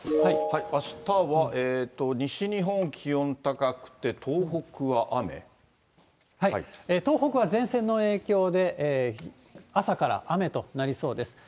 あしたは、西日本、気温高くて、東北は前線の影響で、朝から雨となりそうです。